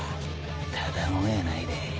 ただもんやないで。